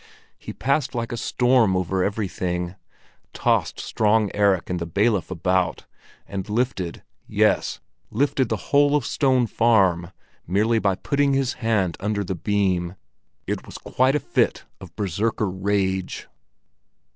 He passed like a storm over everything, tossed strong Erik and the bailiff about, and lifted—yes, lifted the whole of Stone Farm merely by putting his hand under the beam. It was quite a fit of berserker rage!